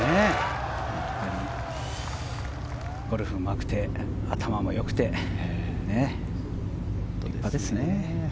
ゴルフがうまくて頭も良くてね、立派ですね。